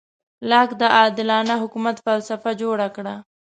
لاک د عادلانه حکومت فلسفه جوړه کړه.